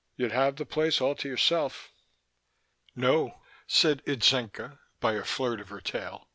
You'd have the place all to yourself." No, said Itzenca by a flirt of her tail.